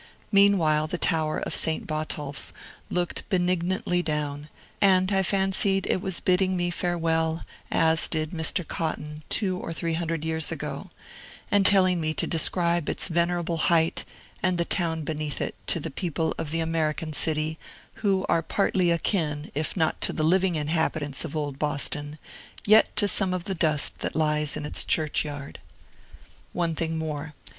Meanwhile the tower of Saint Botolph's looked benignantly down; and I fancied it was bidding me farewell, as it did Mr. Cotton, two or three hundred years ago, and telling me to describe its venerable height, and the town beneath it, to the people of the American city, who are partly akin, if not to the living inhabitants of Old Boston, yet to some of the dust that lies in its churchyard. One thing more.